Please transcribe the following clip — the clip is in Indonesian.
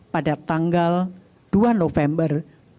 pada tanggal dua november dua ribu dua puluh